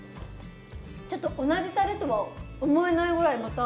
ちょっと同じたれとは思えないぐらいまた。